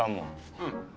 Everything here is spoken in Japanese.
うん。